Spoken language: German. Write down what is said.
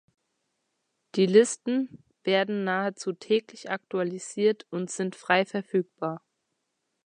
Die Listen werden nahezu täglich aktualisiert und sind frei verfügbar.